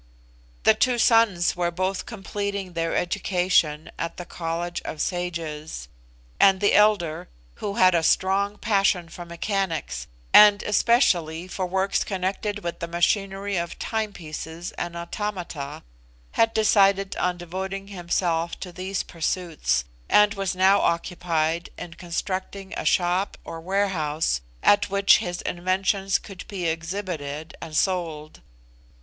The two sons were both completing their education at the College of Sages; and the elder, who had a strong passion for mechanics, and especially for works connected with the machinery of timepieces and automata, had decided on devoting himself to these pursuits, and was now occupied in constructing a shop or warehouse, at which his inventions could be exhibited and sold.